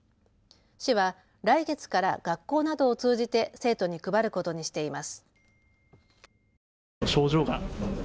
市は来月から学校などを通じて生徒に配ることにしています。